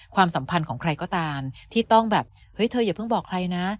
ความสัมพันธ์ของใครก็ตามที่ต้องแบบเฮ้ยเธออย่าเพิ่งบอกใครนะ